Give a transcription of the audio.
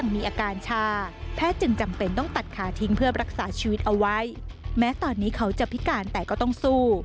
แม้ตอนนี้เขาจะพิการแต่ก็ต้องสู้